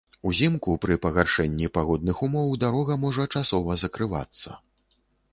Узімку пры пагаршэнні пагодных умоў дарога можа часова закрывацца.